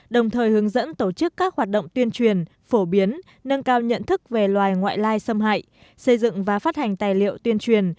đồng thời hướng dẫn tổ chức các hoạt động tuyên truyền phổ biến nâng cao nhận thức về loài ngoại lai xâm hại xây dựng và phát hành tài liệu tuyên truyền